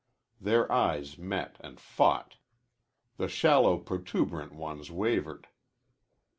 Their eyes met and fought. The shallow, protuberant ones wavered.